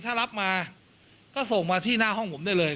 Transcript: ถ้ารับมาก็ส่งมาที่หน้าห้องผมได้เลย